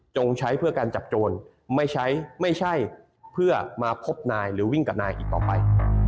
ใช้เพื่อการจับโจรไม่ใช้ไม่ใช่เพื่อมาพบนายหรือวิ่งกับนายอีกต่อไป